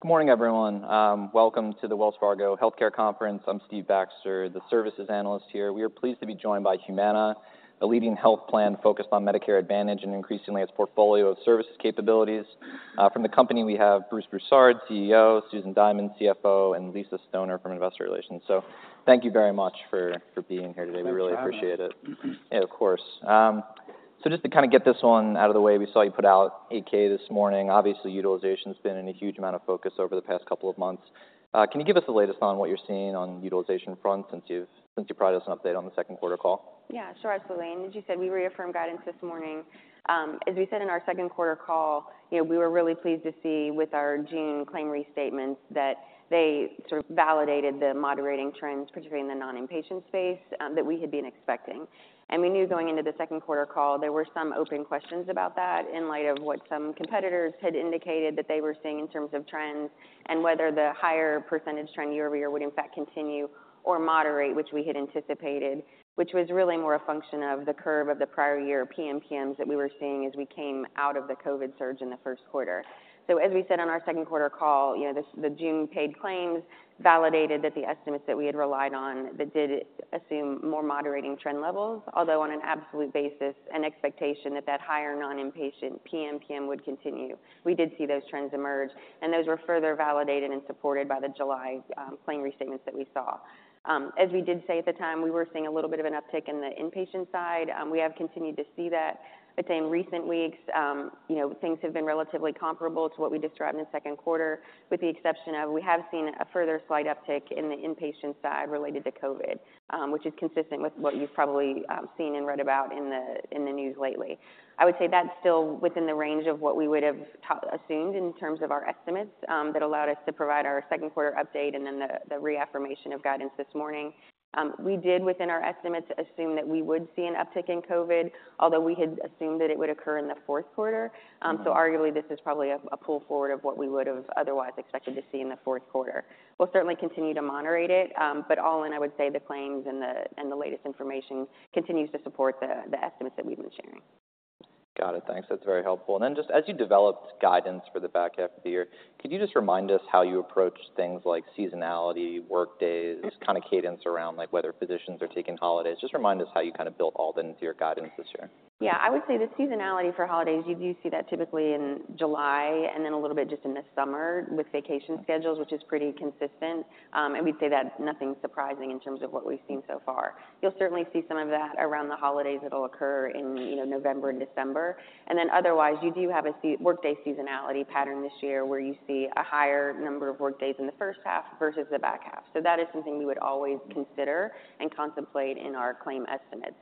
Good morning, everyone. Welcome to the Wells Fargo Health Care Conference. I'm Stephen Baxter, the services analyst here. We are pleased to be joined by Humana, a leading health plan focused on Medicare Advantage, and increasingly, its portfolio of services capabilities. From the company, we have Bruce Broussard, CEO, Susan Diamond, CFO, and Lisa Stoner from Investor Relations. Thank you very much for, for being here today. Thanks for having us. We really appreciate it. Of course. So just to kind of get this one out of the way, we saw you put out 8-K this morning. Obviously, utilization's been in a huge amount of focus over the past couple of months. Can you give us the latest on what you're seeing on the utilization front, since you provided us an update on the second quarter call? Yeah, sure, absolutely. And as you said, we reaffirmed guidance this morning. As we said in our second quarter call, you know, we were really pleased to see with our June claim restatements that they sort of validated the moderating trends, particularly in the non-inpatient space, that we had been expecting. And we knew going into the second quarter call there were some open questions about that in light of what some competitors had indicated that they were seeing in terms of trends, and whether the higher percentage trend year-over-year would, in fact, continue or moderate, which we had anticipated, which was really more a function of the curve of the prior year PMPMs that we were seeing as we came out of the COVID surge in the first quarter. So as we said on our second quarter call, you know, the June paid claims validated that the estimates that we had relied on, that did assume more moderating trend levels, although on an absolute basis, an expectation that that higher non-inpatient PMPM would continue. We did see those trends emerge, and those were further validated and supported by the July claim restatements that we saw. As we did say at the time, we were seeing a little bit of an uptick in the inpatient side. We have continued to see that, but in recent weeks, you know, things have been relatively comparable to what we described in the second quarter, with the exception of we have seen a further slight uptick in the inpatient side related to COVID, which is consistent with what you've probably seen and read about in the, in the news lately. I would say that's still within the range of what we would have assumed in terms of our estimates, that allowed us to provide our second quarter update and then the, the reaffirmation of guidance this morning. We did, within our estimates, assume that we would see an uptick in COVID, although we had assumed that it would occur in the fourth quarter. So arguably, this is probably a pull forward of what we would have otherwise expected to see in the fourth quarter. We'll certainly continue to moderate it, but all in, I would say the claims and the latest information continues to support the estimates that we've been sharing. Got it. Thanks. That's very helpful. And then just as you developed guidance for the back half of the year, could you just remind us how you approach things like seasonality, workdays, kind of cadence around, like, whether physicians are taking holidays? Just remind us how you kind of built all into your guidance this year. Yeah, I would say the seasonality for holidays, you do see that typically in July and then a little bit just in the summer with vacation schedules, which is pretty consistent. And we'd say that's nothing surprising in terms of what we've seen so far. You'll certainly see some of that around the holidays. It'll occur in, you know, November and December. And then otherwise, you do have a workday seasonality pattern this year, where you see a higher number of workdays in the first half versus the back half. So that is something we would always consider and contemplate in our claim estimates.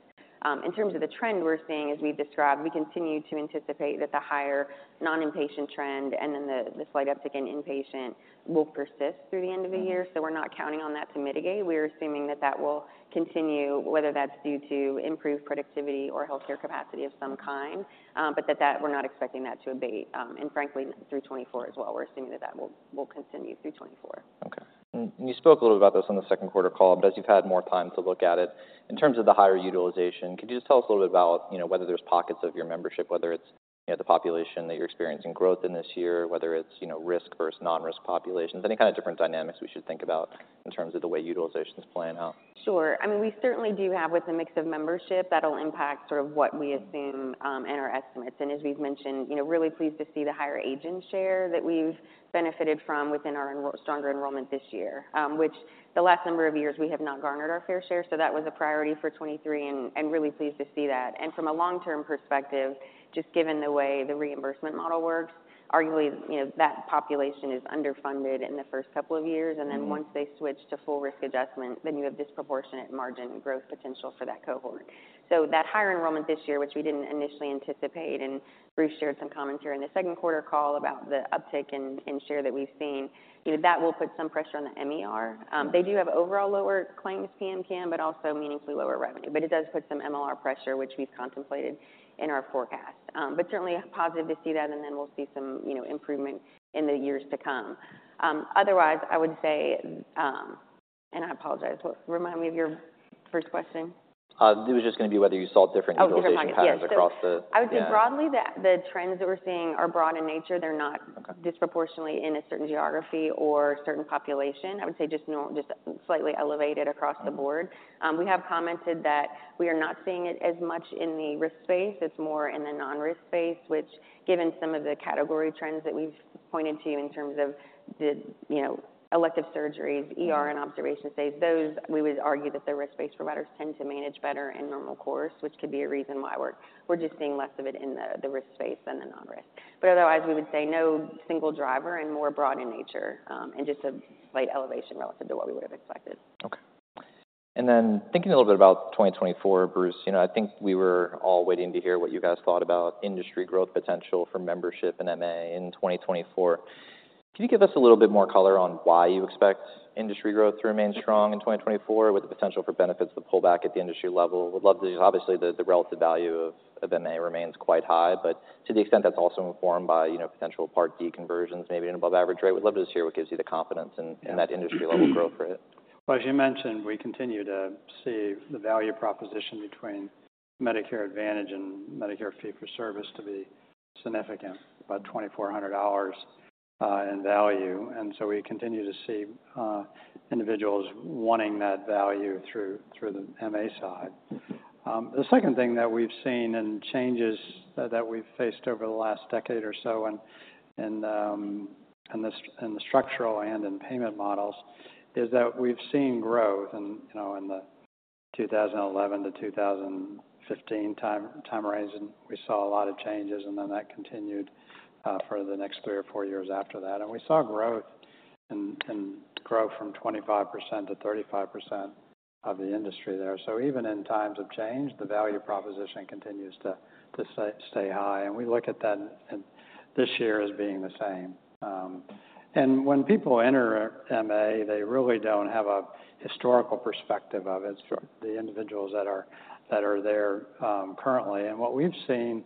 In terms of the trend we're seeing, as we've described, we continue to anticipate that the higher non-inpatient trend and then the slight uptick in inpatient will persist through the end of the year. So we're not counting on that to mitigate. We're assuming that that will continue, whether that's due to improved productivity or healthcare capacity of some kind, but that, that we're not expecting that to abate, and frankly, through 2024 as well. We're assuming that that will, will continue through 2024. Okay. And you spoke a little about this on the second quarter call, but as you've had more time to look at it, in terms of the higher utilization, could you just tell us a little bit about, you know, whether there's pockets of your membership, whether it's, you know, the population that you're experiencing growth in this year, whether it's, you know, risk versus non-risk populations, any kind of different dynamics we should think about in terms of the way utilization is playing out? Sure. I mean, we certainly do have with the mix of membership, that'll impact sort of what we assume in our estimates. And as we've mentioned, you know, really pleased to see the higher age-in share that we've benefited from within our stronger enrollment this year, which the last number of years we have not garnered our fair share. So that was a priority for 2023, and really pleased to see that. And from a long-term perspective, just given the way the reimbursement model works, arguably, you know, that population is underfunded in the first couple of years. Mm-hmm. And then once they switch to full risk adjustment, then you have disproportionate margin growth potential for that cohort. So that higher enrollment this year, which we didn't initially anticipate, and Bruce shared some comments during the second quarter call about the uptick in share that we've seen, you know, that will put some pressure on the MER. Mm-hmm. They do have overall lower claims PMPM, but also meaningfully lower revenue. But it does put some MLR pressure, which we've contemplated in our forecast. But certainly positive to see that, and then we'll see some, you know, improvement in the years to come. Otherwise, I would say... I apologize, what-- remind me of your first question? It was just gonna be whether you saw different utilization- Oh, different patterns. patterns across the... Yeah. I would say broadly, the trends that we're seeing are broad in nature. They're not- Okay... disproportionately in a certain geography or certain population. I would say just slightly elevated across the board. Okay. We have commented that we are not seeing it as much in the risk space. It's more in the non-risk space, which, given some of the category trends that we've pointed to in terms of the, you know, elective surgeries, ER, and observation stays, those we would argue that the risk-based providers tend to manage better in normal course, which could be a reason why we're just seeing less of it in the risk space than the non-risk. But otherwise, we would say no single driver and more broad in nature, and just a slight elevation relative to what we would have expected. Okay. And then thinking a little bit about 2024, Bruce, you know, I think we were all waiting to hear what you guys thought about industry growth potential for membership in MA in 2024. Can you give us a little bit more color on why you expect industry growth to remain strong in 2024, with the potential for benefits to pull back at the industry level? Would love to, obviously, the, the relative value of, of MA remains quite high, but to the extent that's also informed by, you know, potential Part D conversions, maybe an above average rate, would love to just hear what gives you the confidence in- Yeah in that industry level growth rate. ...Well, as you mentioned, we continue to see the value proposition between Medicare Advantage and Medicare Fee-for-Service to be significant, about $2,400 in value. And so we continue to see individuals wanting that value through the MA side. The second thing that we've seen, and changes that we've faced over the last decade or so in the structural and in payment models, is that we've seen growth in, you know, in the 2011-2015 time range, and we saw a lot of changes, and then that continued for the next three or four years after that. And we saw growth, and growth from 25%-35% of the industry there. So even in times of change, the value proposition continues to stay high, and we look at that this year as being the same. And when people enter MA, they really don't have a historical perspective of it, the individuals that are there currently. And what we've seen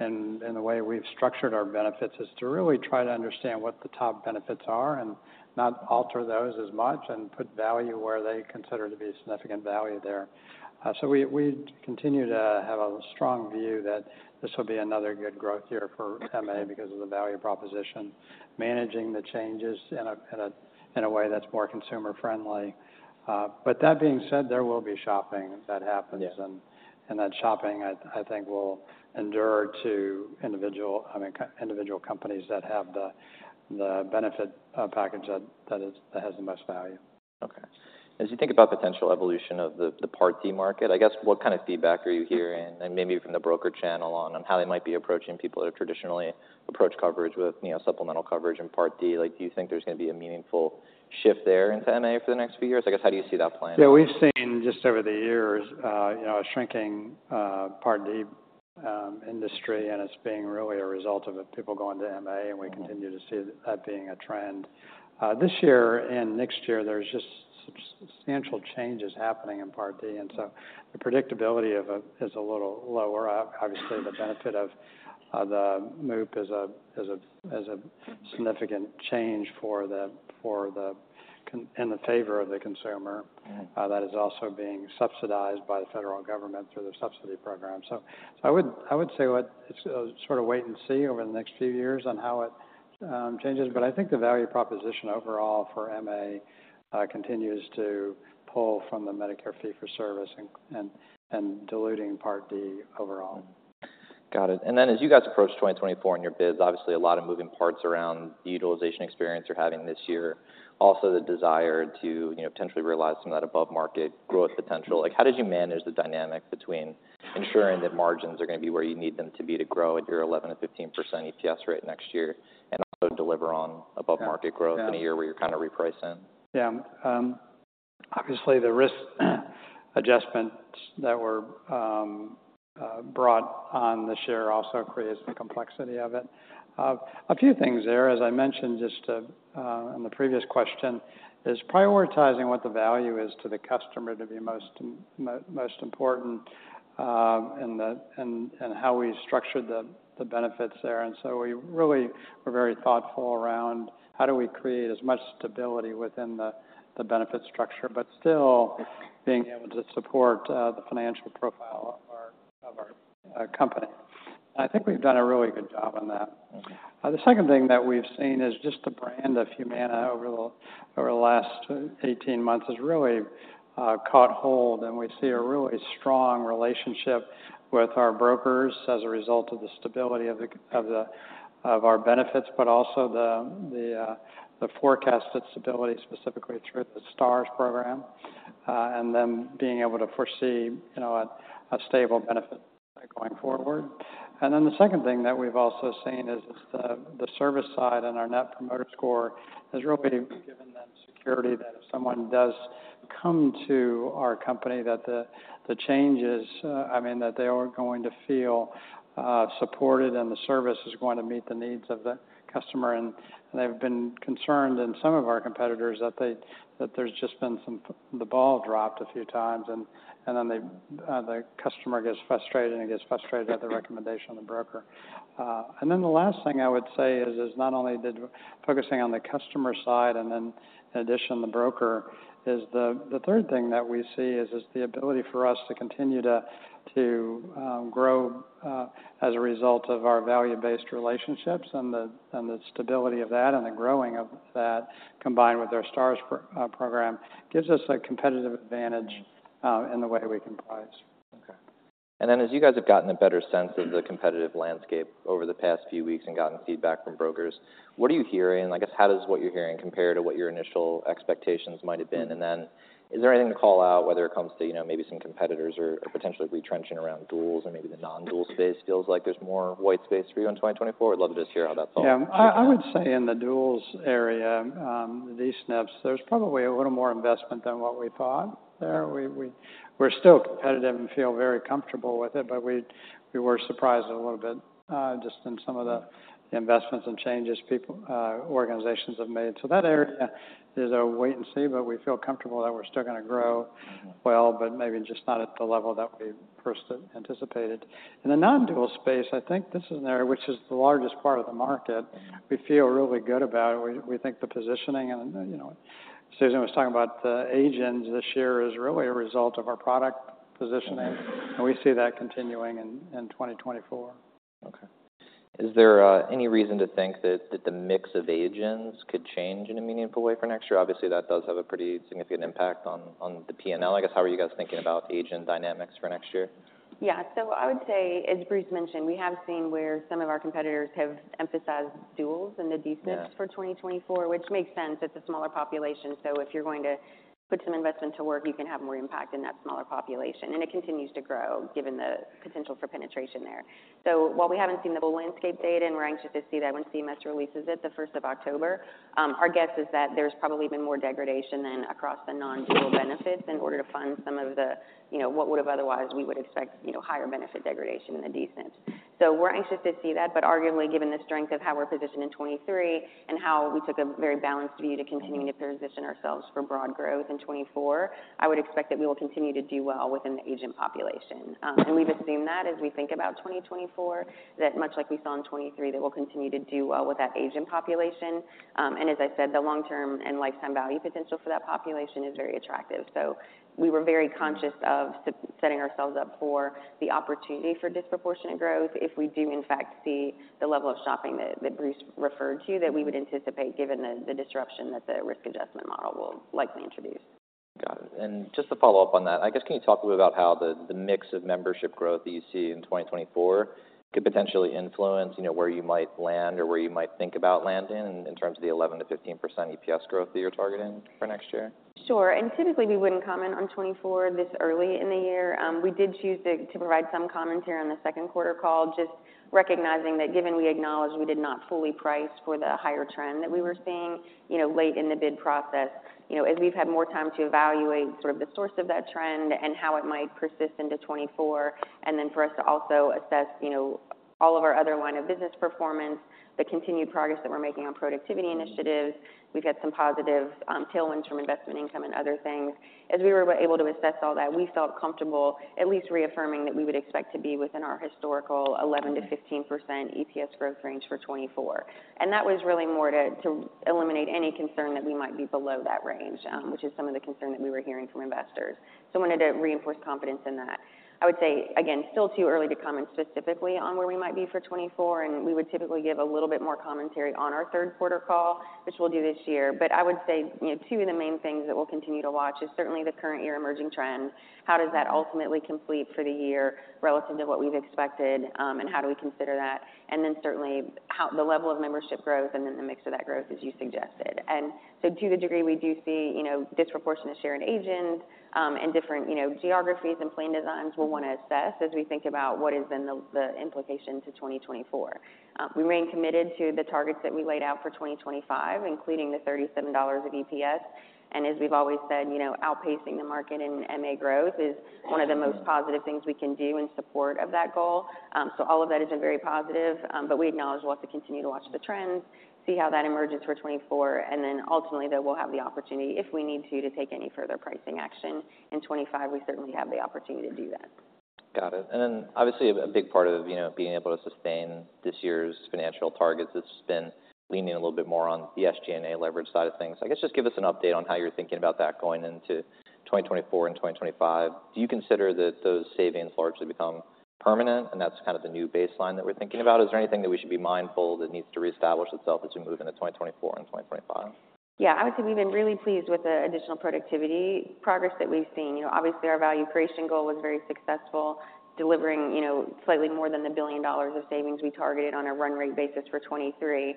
in the way we've structured our benefits is to really try to understand what the top benefits are and not alter those as much and put value where they consider to be significant value there. So we continue to have a strong view that this will be another good growth year for MA because of the value proposition, managing the changes in a way that's more consumer-friendly. But that being said, there will be shopping that happens. Yeah. That shopping, I think, will endear to individual, I mean, individual companies that have the benefit package that has the most value. Okay. As you think about potential evolution of the Part D market, I guess what kind of feedback are you hearing, and maybe from the broker channel, on how they might be approaching people that have traditionally approached coverage with, you know, supplemental coverage in Part D? Like, do you think there's going to be a meaningful shift there into MA for the next few years? I guess, how do you see that playing out? Yeah, we've seen, just over the years, you know, a shrinking Part D industry, and it's being really a result of the people going to MA, and we- Mm-hmm. Continue to see that being a trend. This year and next year, there's just substantial changes happening in Part D, and so the predictability of it is a little lower. Obviously, the benefit of the MOOP is a significant change for the consumer in favor of the consumer. Mm-hmm. That is also being subsidized by the federal government through their subsidy program. So I would, I would say let's sort of wait and see over the next few years on how it, changes. But I think the value proposition overall for MA, continues to pull from the Medicare fee-for-service and, and, and diluting Part D overall. Got it. And then as you guys approach 2024 in your bids, obviously, a lot of moving parts around the utilization experience you're having this year. Also, the desire to, you know, potentially realize some of that above-market growth potential. Like, how did you manage the dynamic between ensuring that margins are going to be where you need them to be to grow at your 11%-15% EPS rate next year, and also deliver on above-market growth- Yeah. -in a year where you're kind of repricing? Yeah. Obviously, the risk adjustments that were brought on this year also creates the complexity of it. A few things there. As I mentioned just on the previous question, is prioritizing what the value is to the customer to be most important, and how we structured the benefits there. And so we really were very thoughtful around how do we create as much stability within the benefit structure, but still being able to support the financial profile of our company. I think we've done a really good job on that. Okay. The second thing that we've seen is just the brand of Humana over the last 18 months has really caught hold, and we see a really strong relationship with our brokers as a result of the stability of our benefits, but also the forecasted stability, specifically through the Stars program, and then being able to foresee, you know, a stable benefit going forward. And then the second thing that we've also seen is the service side and our Net Promoter Score has really given them security that if someone does come to our company, that the changes... I mean, that they are going to feel supported, and the service is going to meet the needs of the customer. And they've been concerned, in some of our competitors, that they, that there's just been some, the ball dropped a few times, and, and then the, the customer gets frustrated and gets frustrated at the recommendation of the broker. And then the last thing I would say is, is not only did focusing on the customer side and then, in addition, the broker, is the, the third thing that we see is the ability for us to continue to grow, as a result of our value-based relationships and the, and the stability of that, and the growing of that, combined with our Stars program, gives us a competitive advantage in the way we can price. Okay. And then, as you guys have gotten a better sense of the competitive landscape over the past few weeks and gotten feedback from brokers, what are you hearing? I guess, how does what you're hearing compare to what your initial expectations might have been? And then is there anything to call out, whether it comes to, you know, maybe some competitors or, or potentially retrenching around duals or maybe the non-dual space feels like there's more white space for you in 2024? I'd love to just hear how that's all shaping up. Yeah. I would say in the duals area, these SNPs, there's probably a little more investment than what we thought there. We're still competitive and feel very comfortable with it, but we were surprised a little bit, just in some of the investments and changes people, organizations have made. So that area is a wait and see, but we feel comfortable that we're still going to grow- Mm-hmm. Well, but maybe just not at the level that we first anticipated. In the non-dual space, I think this is an area which is the largest part of the market. Mm-hmm. We feel really good about it. We think the positioning and, you know, Susan was talking about the age-ins this year is really a result of our product positioning, and we see that continuing in 2024. Okay. Is there any reason to think that, that the mix of age-ins could change in a meaningful way for next year? Obviously, that does have a pretty significant impact on, on the PNL. I guess, how are you guys thinking about age-in dynamics for next year? Yeah. So I would say, as Bruce mentioned, we have seen where some of our competitors have emphasized duals in the D-SNP- Yeah -for 2024, which makes sense. It's a smaller population, so if you're going to put some investment to work, you can have more impact in that smaller population, and it continues to grow given the potential for penetration there. So while we haven't seen the full landscape data, and we're anxious to see that when CMS releases it the first of October, our guess is that there's probably been more degradation than across the non-dual benefits in order to fund some of the, you know, what would have otherwise we would expect, you know, higher benefit degradation in the D-SNP. So we're anxious to see that, but arguably, given the strength of how we're positioned in 2023 and how we took a very balanced view to continuing to position ourselves for broad growth in 2024, I would expect that we will continue to do well within the age-in population. And we've assumed that as we think about 2024, that much like we saw in 2023, that we'll continue to do well with that age-in population. And as I said, the long-term and lifetime value potential for that population is very attractive. So we were very conscious of setting ourselves up for the opportunity for disproportionate growth. If we do, in fact, see the level of shopping that, that Bruce referred to, that we would anticipate, given the, the disruption that the risk adjustment model will likely introduce. Got it. And just to follow up on that, I guess, can you talk a bit about how the, the mix of membership growth that you see in 2024 could potentially influence, you know, where you might land or where you might think about landing in terms of the 11%-15% EPS growth that you're targeting for next year? Sure. Typically, we wouldn't comment on 2024 this early in the year. We did choose to provide some commentary on the second quarter call, just recognizing that given we acknowledged we did not fully price for the higher trend that we were seeing, you know, late in the bid process. You know, as we've had more time to evaluate sort of the source of that trend and how it might persist into 2024, and then for us to also assess, you know, all of our other line of business performance, the continued progress that we're making on productivity initiatives. We've had some positive tailwinds from investment income and other things. As we were able to assess all that, we felt comfortable at least reaffirming that we would expect to be within our historical 11%-15% EPS growth range for 2024. That was really more to eliminate any concern that we might be below that range, which is some of the concern that we were hearing from investors. So I wanted to reinforce confidence in that. I would say again, still too early to comment specifically on where we might be for 2024, and we would typically give a little bit more commentary on our third quarter call, which we'll do this year. But I would say, you know, two of the main things that we'll continue to watch is certainly the current year emerging trend. How does that ultimately complete for the year relative to what we've expected, and how do we consider that? And then certainly, how the level of membership growth and then the mix of that growth, as you suggested. And so to the degree, we do see, you know, disproportionate share in age-ins, and different, you know, geographies and plan designs, we'll want to assess as we think about what is then the, the implication to 2024. We remain committed to the targets that we laid out for 2025, including the $37 of EPS. And as we've always said, you know, outpacing the market in MA growth is one of the most positive things we can do in support of that goal. So all of that is very positive, but we acknowledge we'll have to continue to watch the trends, see how that emerges for 2024, and then ultimately, that we'll have the opportunity, if we need to, to take any further pricing action. In 2025, we certainly have the opportunity to do that. Got it. And then obviously, a big part of, you know, being able to sustain this year's financial targets has been leaning a little bit more on the SG&A leverage side of things. I guess, just give us an update on how you're thinking about that going into 2024 and 2025. Do you consider that those savings largely become permanent, and that's kind of the new baseline that we're thinking about? Is there anything that we should be mindful that needs to reestablish itself as we move into 2024 and 2025? Yeah, I would say we've been really pleased with the additional productivity progress that we've seen. You know, obviously, our value creation goal was very successful, delivering, you know, slightly more than $1 billion of savings we targeted on a run rate basis for 2023.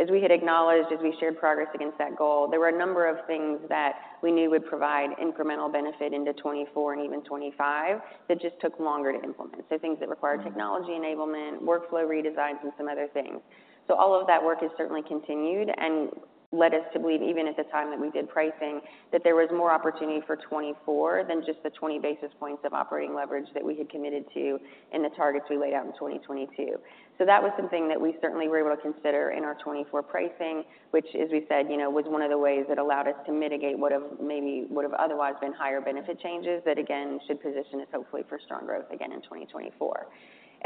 As we had acknowledged, as we shared progress against that goal, there were a number of things that we knew would provide incremental benefit into 2024 and even 2025 that just took longer to implement. So things that required technology enablement, workflow redesigns, and some other things. So all of that work has certainly continued and led us to believe, even at the time that we did pricing, that there was more opportunity for 2024 than just the 20 basis points of operating leverage that we had committed to in the targets we laid out in 2022. So that was something that we certainly were able to consider in our 2024 pricing, which, as we said, you know, was one of the ways that allowed us to mitigate what maybe would have otherwise been higher benefit changes that again, should position us hopefully for strong growth again in 2024.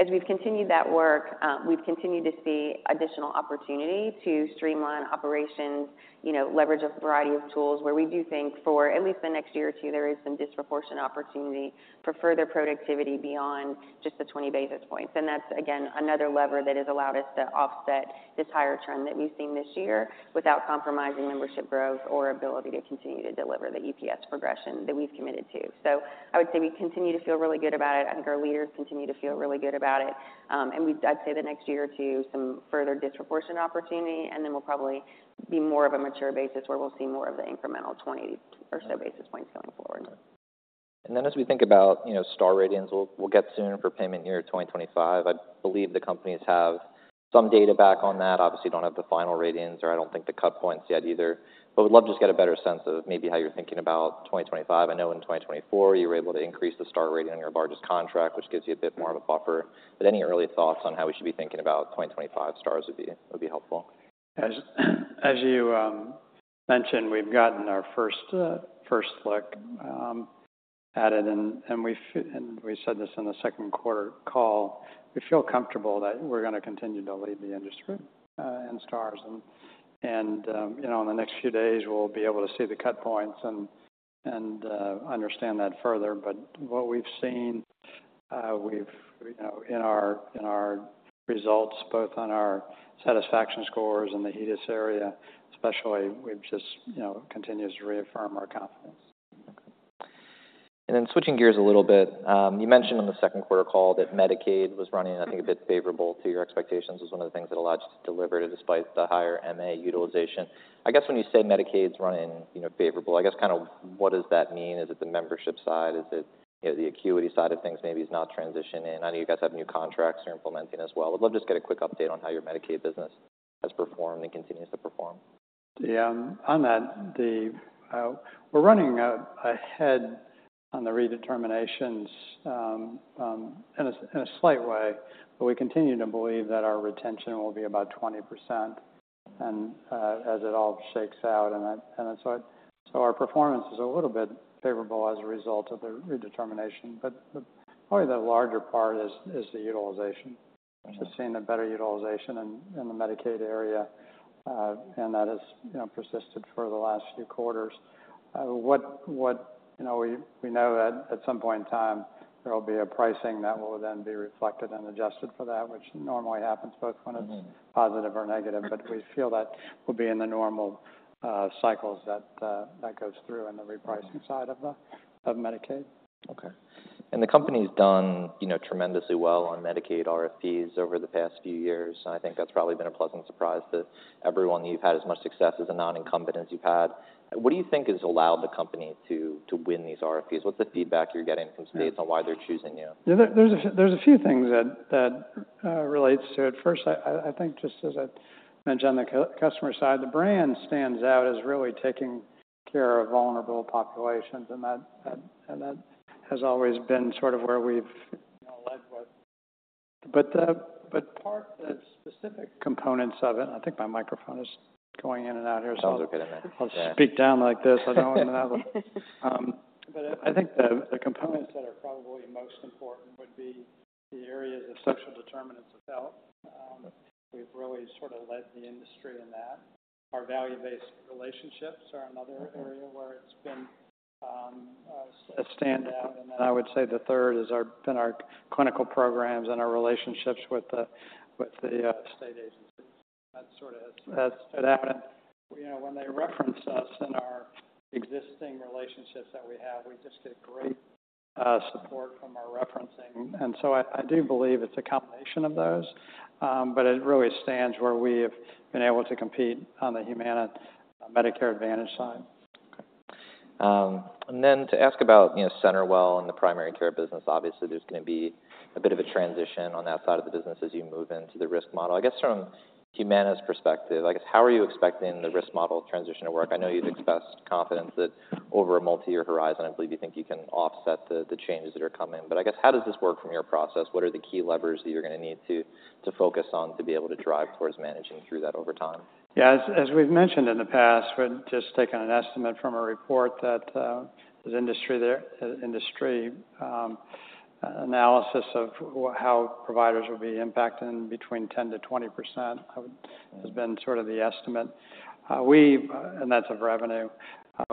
As we've continued that work, we've continued to see additional opportunity to streamline operations, you know, leverage a variety of tools where we do think for at least the next year or two, there is some disproportionate opportunity for further productivity beyond just the 20 basis points. And that's, again, another lever that has allowed us to offset this higher trend that we've seen this year without compromising membership growth or ability to continue to deliver the EPS progression that we've committed to. So I would say we continue to feel really good about it. I think our leaders continue to feel really good about it. And I'd say the next year or two, some further disproportionate opportunity, and then we'll probably be more of a mature basis where we'll see more of the incremental 20 or so basis points going forward. And then as we think about, you know, Star Ratings, we'll, we'll get soon for payment year 2025. I believe the companies have some data back on that. Obviously, don't have the final ratings or I don't think the cut points yet either, but would love to just get a better sense of maybe how you're thinking about 2025. I know in 2024 you were able to increase the Star rating on your largest contract, which gives you a bit more of a buffer. But any early thoughts on how we should be thinking about 2025 Stars would be, would be helpful. As you mentioned, we've gotten our first look added, and we said this in the second quarter call, we feel comfortable that we're going to continue to lead the industry in Stars. And you know, in the next few days, we'll be able to see the cut points and understand that further. But what we've seen, we've you know, in our results, both on our satisfaction scores in the HEDIS area, especially, we've just you know, continues to reaffirm our confidence. Then switching gears a little bit. You mentioned on the second quarter call that Medicaid was running, I think, a bit favorable to your expectations. It was one of the things that allowed you to deliver despite the higher MA utilization. I guess when you say Medicaid's running, you know, favorable, I guess kind of what does that mean? Is it the membership side? Is it, you know, the acuity side of things maybe is not transitioning? I know you guys have new contracts you're implementing as well. I'd love to just get a quick update on how your Medicaid business has performed and continues to perform. Yeah. On that, Dave, we're running ahead on the redeterminations in a slight way, but we continue to believe that our retention will be about 20%, and as it all shakes out, and that, and so, so our performance is a little bit favorable as a result of the redetermination. But probably the larger part is the utilization. Okay. Just seeing a better utilization in the Medicaid area, and that has, you know, persisted for the last few quarters. You know, we know at some point in time, there will be a pricing that will then be reflected and adjusted for that, which normally happens both- Mm-hmm. - when it's positive or negative, but we feel that will be in the normal, cycles that, that goes through in the repricing side of the- Mm-hmm. of Medicaid. Okay. The company's done, you know, tremendously well on Medicaid RFPs over the past few years, and I think that's probably been a pleasant surprise to everyone. You've had as much success as a non-incumbent as you've had. What do you think has allowed the company to win these RFPs? What's the feedback you're getting from states? Yeah on why they're choosing you? Yeah, there's a few things that that relates to it. First, I think, just as I mentioned on the customer side, the brand stands out as really taking care of vulnerable populations, and that has always been sort of where we've, you know, led with. But the specific components of it... I think my microphone is going in and out here, so- Oh, okay then. - I'll speak down like this. I don't want to have, but I think the, the components that are probably most important would be the area of social determinants of health. We've really sort of led the industry in that. Our value-based relationships are another area- Mm-hmm - where it's been a standout. Then I would say the third is our clinical programs and our relationships with the state agencies. That sort of has stood out. You know, when they reference us in our existing relationships that we have, we just get great support from our referencing. So I do believe it's a combination of those, but it really stands out where we have been able to compete on the Humana Medicare Advantage side. Okay. And then to ask about, you know, CenterWell and the primary care business, obviously there's going to be a bit of a transition on that side of the business as you move into the risk model. I guess from Humana's perspective, I guess, how are you expecting the risk model transition to work? Mm-hmm. I know you've expressed confidence that over a multi-year horizon, I believe you think you can offset the, the changes that are coming. But I guess, how does this work from your process? What are the key levers that you're going to need to, to focus on, to be able to drive towards managing through that over time? Yeah, as we've mentioned in the past, we're just taking an estimate from a report that the industry analysis of how providers will be impacted between 10%-20%. Mm-hmm has been sort of the estimate. And that's of revenue.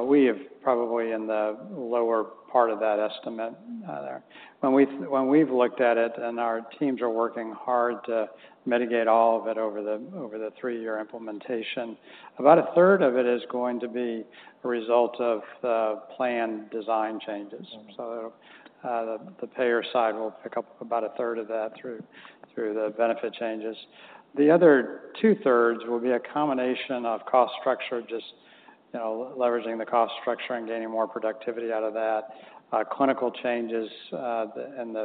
We have probably in the lower part of that estimate there. When we, when we've looked at it, and our teams are working hard to mitigate all of it over the three-year implementation, about a third of it is going to be a result of plan design changes. Mm-hmm. So, the payer side will pick up about a third of that through the benefit changes. The other two-thirds will be a combination of cost structure, just, you know, leveraging the cost structure and gaining more productivity out of that. Clinical changes, and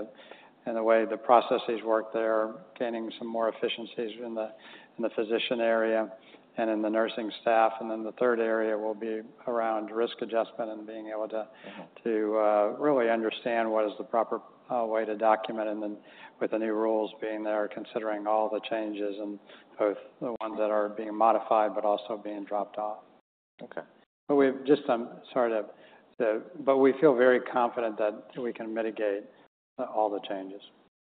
the way the processes work there, gaining some more efficiencies in the physician area and in the nursing staff. And then the third area will be around risk adjustment and being able to- Mm-hmm to really understand what is the proper way to document, and then with the new rules being there, considering all the changes and both the ones that are being modified, but also being dropped off. Okay. But we feel very confident that we can mitigate all the changes.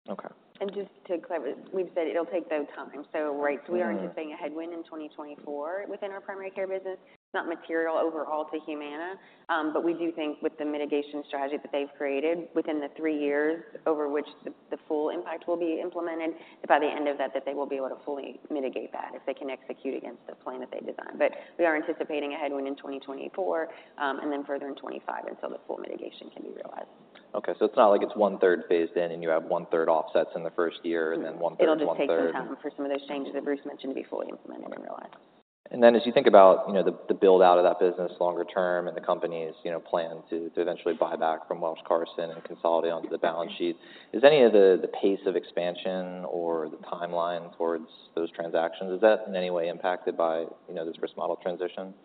Okay. And just to clarify, we've said it'll take, though, time. So right- Mm-hmm. We are anticipating a headwind in 2024 within our primary care business. It's not material overall to Humana, but we do think with the mitigation strategy that they've created within the 3 years over which the full impact will be implemented, that by the end of that, that they will be able to fully mitigate that if they can execute against the plan that they designed. But we are anticipating a headwind in 2024, and then further in 2025, until the full mitigation can be realized. Okay, so it's not like it's one-third phased in, and you have one-third offsets in the first year- Mm-hmm - and then one-third, one-third- It'll just take some time for some of those changes that Bruce mentioned to be fully implemented and realized. ...And then as you think about, you know, the build-out of that business longer term and the company's, you know, plan to eventually buy back from Welsh Carson and consolidate onto the balance sheet, is any of the pace of expansion or the timeline towards those transactions, is that in any way impacted by, you know, this risk model transition?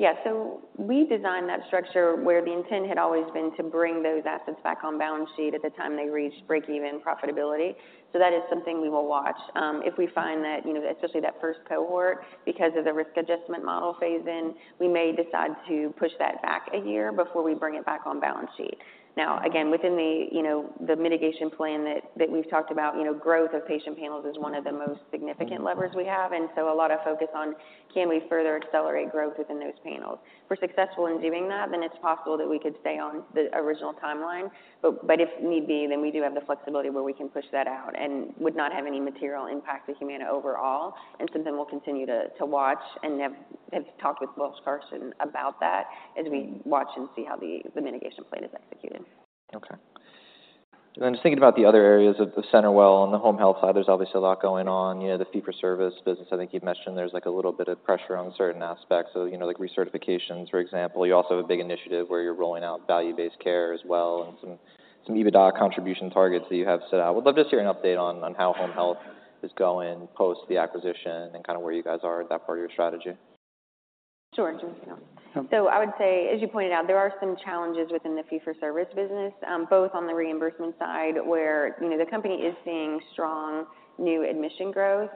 Yeah. So we designed that structure where the intent had always been to bring those assets back on balance sheet at the time they reached breakeven profitability. So that is something we will watch. If we find that, you know, especially that first cohort, because of the risk adjustment model phase-in, we may decide to push that back a year before we bring it back on balance sheet. Now, again, within the, you know, the mitigation plan that we've talked about, you know, growth of patient panels is one of the most significant levers we have, and so a lot of focus on can we further accelerate growth within those panels? If we're successful in doing that, then it's possible that we could stay on the original timeline. But if need be, then we do have the flexibility where we can push that out and would not have any material impact to Humana overall, and something we'll continue to watch, and have talked with Welsh Carson about that as we watch and see how the mitigation plan is executed. Okay. And then just thinking about the other areas of the CenterWell and the home health side, there's obviously a lot going on. You know, the fee-for-service business, I think you've mentioned there's, like, a little bit of pressure on certain aspects. So, you know, like recertifications, for example. You also have a big initiative where you're rolling out value-based care as well, and some, some EBITDA contribution targets that you have set out. Would love to just hear an update on, on how home health is going post the acquisition and kind of where you guys are at that part of your strategy. Sure, Jim, yeah. Okay. So I would say, as you pointed out, there are some challenges within the fee-for-service business, both on the reimbursement side, where, you know, the company is seeing strong new admission growth.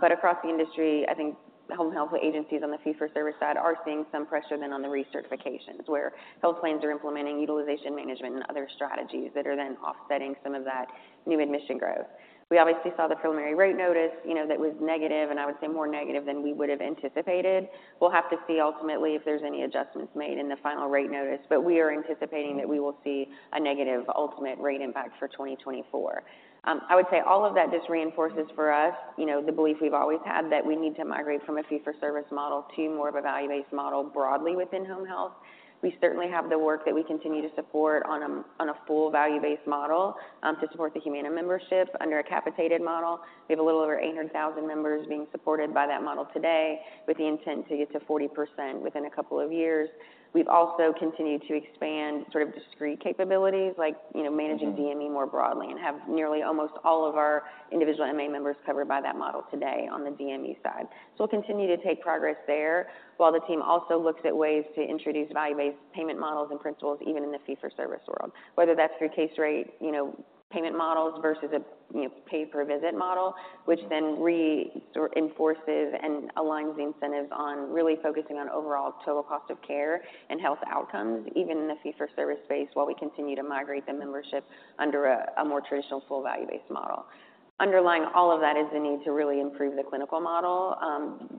But across the industry, I think home health agencies on the fee-for-service side are seeing some pressure then on the recertifications, where health plans are implementing utilization management and other strategies that are then offsetting some of that new admission growth. We obviously saw the preliminary rate notice, you know, that was negative, and I would say more negative than we would have anticipated. We'll have to see ultimately if there's any adjustments made in the final rate notice, but we are anticipating that we will see a negative ultimate rate impact for 2024. I would say all of that just reinforces for us, you know, the belief we've always had, that we need to migrate from a fee-for-service model to more of a value-based model broadly within home health. We certainly have the work that we continue to support on a, on a full value-based model, to support the Humana membership under a capitated model. We have a little over 800,000 members being supported by that model today, with the intent to get to 40% within a couple of years. We've also continued to expand sort of discrete capabilities, like, you know, managing- Mm-hmm. DME more broadly, and have nearly almost all of our individual MA members covered by that model today on the DME side. So we'll continue to take progress there, while the team also looks at ways to introduce value-based payment models and principles, even in the fee-for-service world. Whether that's through case rate, you know, payment models versus a, you know, pay-per-visit model, which then reinforces and aligns the incentives on really focusing on overall total cost of care and health outcomes, even in the fee-for-service space, while we continue to migrate the membership under a, a more traditional full value-based model. Underlying all of that is the need to really improve the clinical model,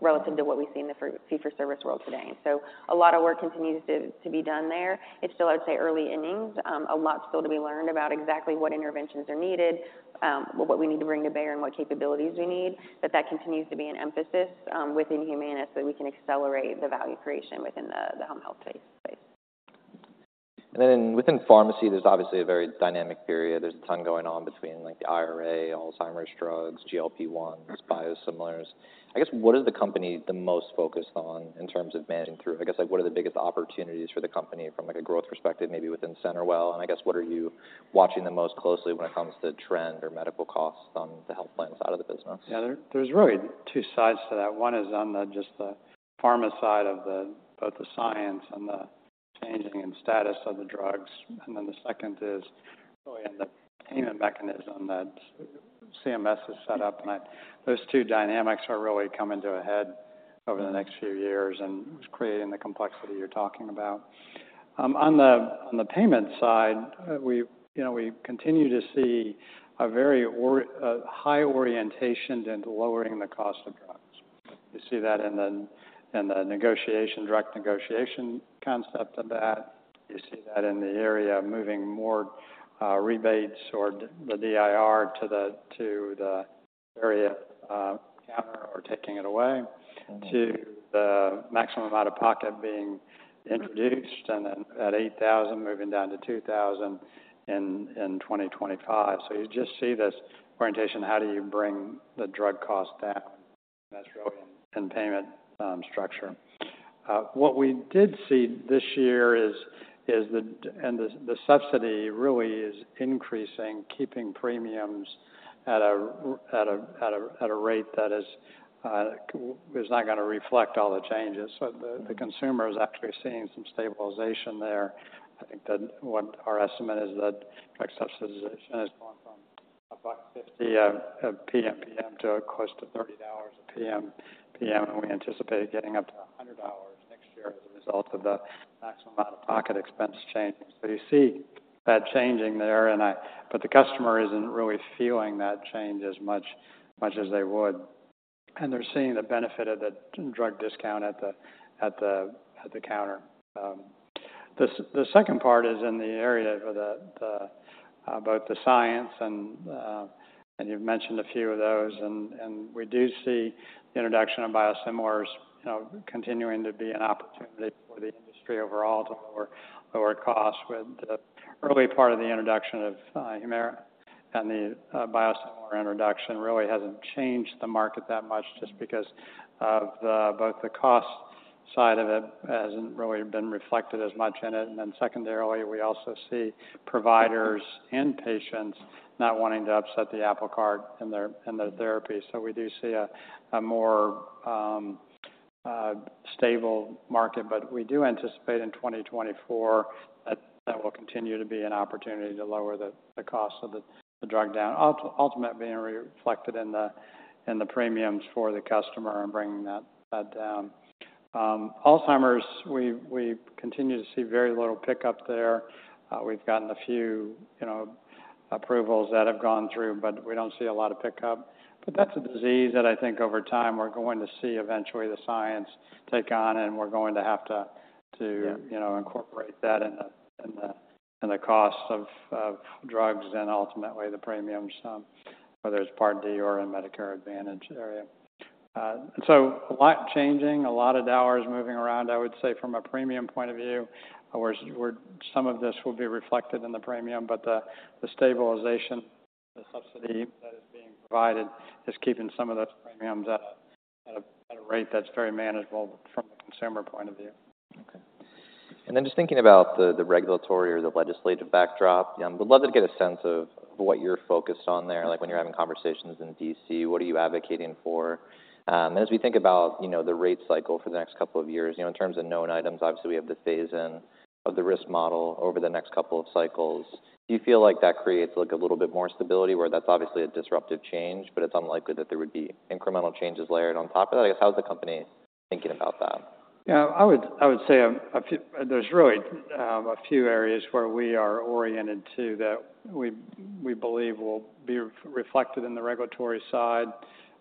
relative to what we see in the fee-for-service world today. So a lot of work continues to be done there. It's still, I would say, early innings, a lot still to be learned about exactly what interventions are needed, what we need to bring to bear and what capabilities we need. But that continues to be an emphasis within Humana, so we can accelerate the value creation within the home health space. And then within pharmacy, there's obviously a very dynamic period. There's a ton going on between, like, the IRA, Alzheimer's drugs, GLP-1, biosimilars. I guess, what is the company the most focused on in terms of managing through? I guess, like, what are the biggest opportunities for the company from, like, a growth perspective, maybe within CenterWell? And I guess, what are you watching the most closely when it comes to trend or medical costs on the health plan side of the business? Yeah, there's really two sides to that. One is on the just the pharma side of the both the science and the changing and status of the drugs. And then the second is really in the payment mechanism that CMS has set up. Those two dynamics are really coming to a head over the next few years and is creating the complexity you're talking about. On the payment side, you know, we continue to see a very high orientation into lowering the cost of drugs. You see that in the negotiation drug negotiation concept of that. You see that in the area of moving more rebates or the DIR to the Rx counter, or taking it away- Mm-hmm. - to the maximum out-of-pocket being introduced, and then at 8,000, moving down to 2,000 in 2025. So you just see this orientation, how do you bring the drug cost down? And that's really in payment structure. What we did see this year is the... And the subsidy really is increasing, keeping premiums at a rate that is not gonna reflect all the changes. Mm-hmm. So the consumer is actually seeing some stabilization there. I think that what our estimate is that, like, subsidization is going from $1.50 PMPM to close to $30 PMPM, and we anticipate it getting up to $100 next year as a result of the maximum out-of-pocket expense changes. So you see that changing there, and but the customer isn't really feeling that change as much as they would, and they're seeing the benefit of the drug discount at the counter. The second part is in the area of both the science and you've mentioned a few of those. We do see the introduction of biosimilars, you know, continuing to be an opportunity for the industry overall to lower lower costs with the early part of the introduction of Humira, and the biosimilar introduction really hasn't changed the market that much just because of the both the cost side of it hasn't really been reflected as much in it, and then secondarily, we also see providers and patients not wanting to upset the apple cart in their therapy. So we do see a more stable market, but we do anticipate in 2024, that that will continue to be an opportunity to lower the cost of the drug down. Ultimately being reflected in the premiums for the customer and bringing that down. Alzheimer's, we continue to see very little pickup there. We've gotten a few, you know, approvals that have gone through, but we don't see a lot of pickup. But that's a disease that I think over time, we're going to see eventually the science take on, and we're going to have to, to- Yeah... you know, incorporate that in the cost of drugs and ultimately, the premiums, whether it's Part D or in Medicare Advantage area. So a lot changing, a lot of dollars moving around. I would say from a premium point of view, where some of this will be reflected in the premium, but the stabilization, the subsidy that is being provided, is keeping some of those premiums at a rate that's very manageable from a consumer point of view. Okay. And then just thinking about the regulatory or the legislative backdrop, would love to get a sense of what you're focused on there. Like, when you're having conversations in D.C., what are you advocating for? And as we think about, you know, the rate cycle for the next couple of years, you know, in terms of known items, obviously, we have the phase-in of the risk model over the next couple of cycles. Do you feel like that creates, like, a little bit more stability, where that's obviously a disruptive change, but it's unlikely that there would be incremental changes layered on top of that? I guess, how's the company thinking about that? Yeah, I would, I would say a few... There's really, a few areas where we are oriented to that we, we believe will be reflected in the regulatory side.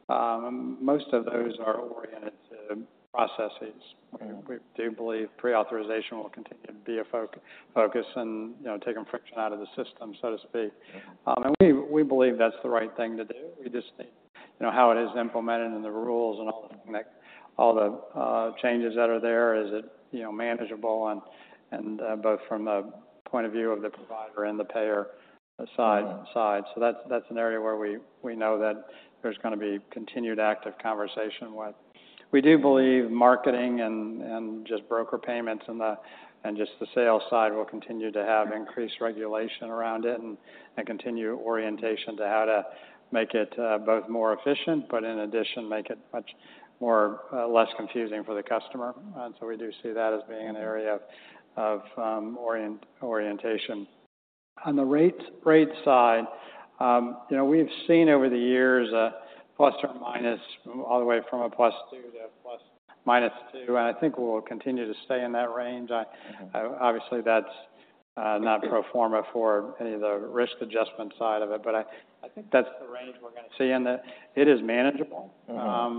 Most of those are oriented to processes. Mm-hmm. We do believe pre-authorization will continue to be a focus, and, you know, taking friction out of the system, so to speak. Yeah. And we believe that's the right thing to do. We just need, you know, how it is implemented and the rules and all the connections, all the changes that are there. Is it, you know, manageable and both from a point of view of the provider and the payer side- Mm-hmm... side? So that's, that's an area where we, we know that there's gonna be continued active conversation with. We do believe marketing and just broker payments and just the sales side will continue to have increased regulation around it, and continue orientation to how to make it both more efficient, but in addition, make it much more less confusing for the customer. So we do see that as being- Mm-hmm... an area of orientation. On the rate side, you know, we've seen over the years a plus or minus, all the way from a +2 to a ±2, and I think we'll continue to stay in that range. Mm-hmm. Obviously, that's not pro forma for any of the risk adjustment side of it, but I think that's the range we're gonna see, and that it is manageable. Mm-hmm.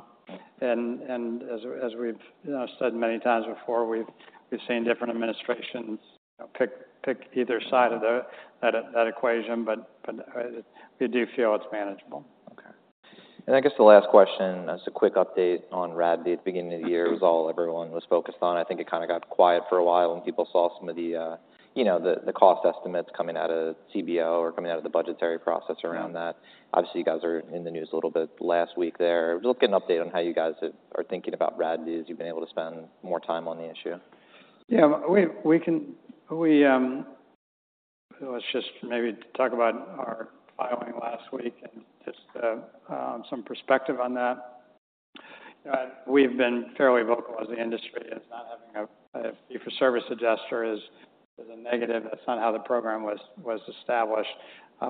And as we've, you know, said many times before, we've seen different administrations, you know, pick either side of that equation, but we do feel it's manageable. Okay. And I guess the last question, as a quick update on RADV at the beginning of the year, it was all everyone was focused on. I think it kinda got quiet for a while when people saw some of the, you know, cost estimates coming out of CBO or coming out of the budgetary process- Mm-hmm... around that. Obviously, you guys are in the news a little bit last week there. Just get an update on how you guys have, are thinking about RADV as you've been able to spend more time on the issue? Yeah, we can. Let's just maybe talk about our filing last week and just some perspective on that. We've been fairly vocal as the industry as not having a fee-for-service adjuster is a negative. That's not how the program was established.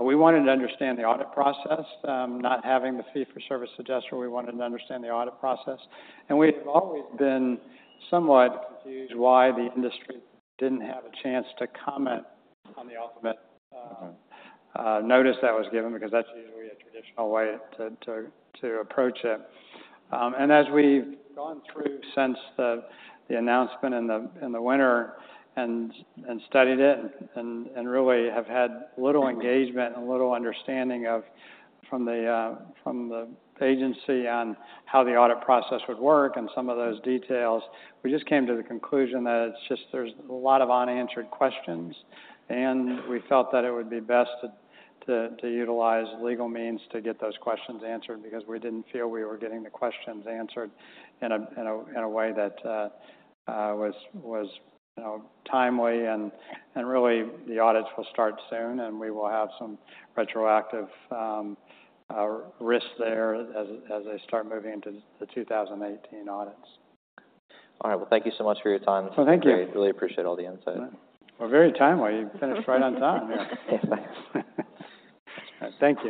We wanted to understand the audit process. Not having the fee-for-service adjuster, we wanted to understand the audit process, and we've always been somewhat confused why the industry didn't have a chance to comment on the ultimate. Mm-hmm ... notice that was given, because that's usually a traditional way to approach it. And as we've gone through since the announcement in the winter and really have had little engagement- Mm-hmm... and little understanding from the agency on how the audit process would work and some of those details, we just came to the conclusion that it's just there's a lot of unanswered questions, and we felt that it would be best to utilize legal means to get those questions answered because we didn't feel we were getting the questions answered in a way that was, you know, timely. And really, the audits will start soon, and we will have some retroactive risk there as they start moving into the 2018 audits. All right. Well, thank you so much for your time. Well, thank you. I really appreciate all the insight. Well, we're very timely. You finished right on time. Yes, thanks. Thank you.